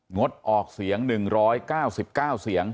งดออกเสียง๑๙๙เสียง